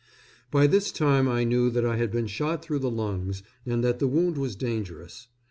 By this time I knew that I had been shot through the lungs, and that the wound was dangerous.